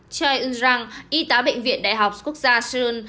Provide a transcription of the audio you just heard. choi eun rang y tá bệnh viện đại học quốc gia seoul